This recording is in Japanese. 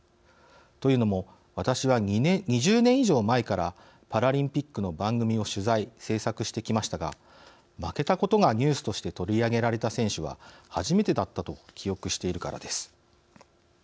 というのも、私は２０年以上前からパラリンピックの番組を取材・制作してきましたが負けたことがニュースとして取り上げられた選手は初めてだったと記憶しているからです。